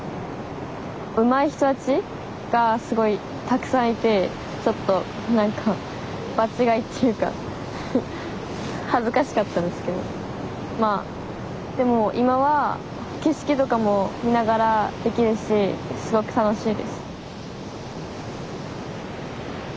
うまい人たちがすごいたくさんいてちょっと何か場違いっていうか恥ずかしかったですけどでも今は景色とかも見ながらできるしすごく楽しいです。